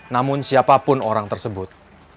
namun siapapun orang tersebut